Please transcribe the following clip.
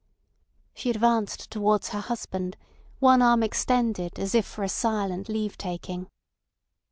She advanced towards her husband, one arm extended as if for a silent leave taking.